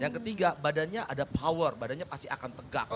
yang ketiga badannya ada power badannya pasti akan tegak